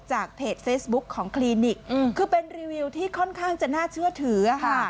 เพจเฟซบุ๊คของคลินิกคือเป็นรีวิวที่ค่อนข้างจะน่าเชื่อถือค่ะ